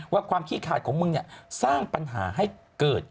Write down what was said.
ความขี้ขาดของมึงสร้างปัญหาให้เกิด